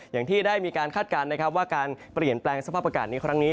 อย่างที่ได้มีการคาดการณ์นะครับว่าการเปลี่ยนแปลงสภาพอากาศในครั้งนี้